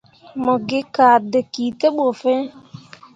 Mo gi kaa dǝkǝ te ɓu fiŋ.